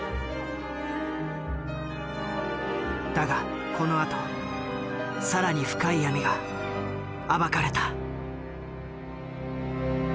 だがこのあと更に深い闇が暴かれた。